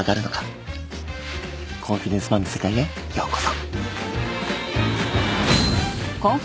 コンフィデンスマンの世界へようこそ。